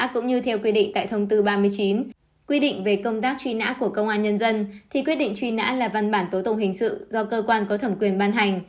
khi quyết định truy nã là văn bản tố tùng hình sự do cơ quan có thẩm quyền ban hành